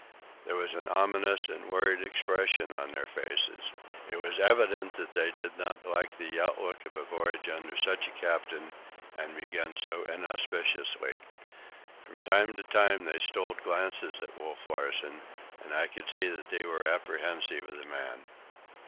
There was an ominous and worried expression on their faces. It was evident that they did not like the outlook of a voyage under such a captain and begun so inauspiciously. From time to time they stole glances at Wolf Larsen, and I could see that they were apprehensive of the man.